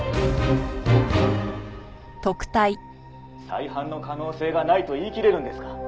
「再犯の可能性がないと言いきれるんですか？」